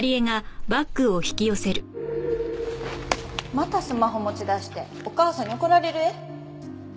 またスマホ持ち出しておかあさんに怒られるえ。